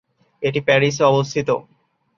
এটি প্যারিসে অবস্থিত।